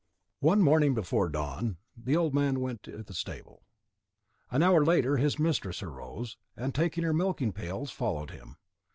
One morning before dawn, the old man went to the stable. An hour later, his mistress arose, and taking her milking pails, followed him.